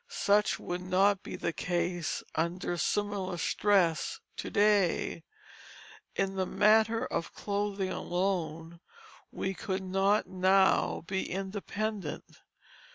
Such would not be the case under similar stress to day. In the matter of clothing alone we could not now be independent.